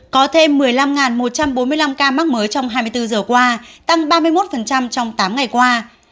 có thêm một mươi năm một trăm bốn mươi năm ca mắc mới trong hai mươi bốn giờ qua tăng ba mươi một trong tám ngày qua